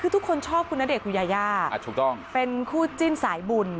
คือทุกคนชอบคุณณเดชนคุณยาย่าเป็นคู่จิ้นสายบุญ